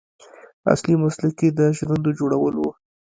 اصلي مسلک یې د ژرندو جوړول و.